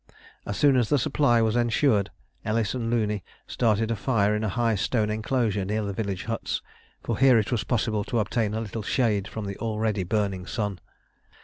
As soon as the supply was ensured, Ellis and Looney started a fire in a high stone enclosure near the village huts; for here it was possible to obtain a little shade from the already burning sun.